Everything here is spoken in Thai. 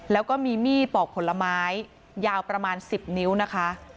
แล้วก็มีมีดปอกผลไม้ยาวประมาณ๑๐นิ้วนะคะ